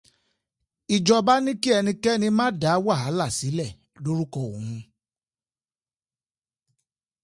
Ìjọba ní kí ẹnikẹ́ni má dá wàhálá sílẹ̀ lórúkọ òun